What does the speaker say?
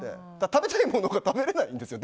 食べたいものが食べられないんですよ